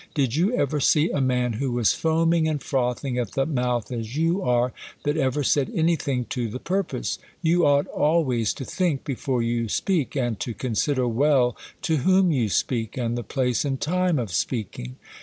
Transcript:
Did you ever see a man who was foaming and frothing at the mouth as you are, that ever said any thing to the purpose ? You ought always to think before you speak, and to consider well to whom you speak, and the place and time of speaking.